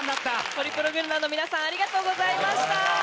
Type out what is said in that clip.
ホリプロ軍団の皆さんありがとうございました。